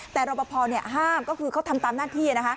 แต่รบพอห้ามเขาทำตามหน้าที่